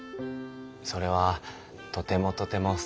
それはとてもとてもすてきです。